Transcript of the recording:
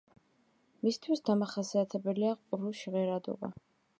მისთვის დამახასიათებელია ყრუ ჟღერადობა.